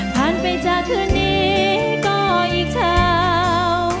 ผ่านไปจากคืนนี้ก็อีกเช้า